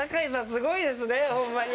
すごいですねホンマに。